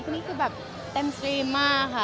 นี่คือแบบเต็มสตรีมมากค่ะ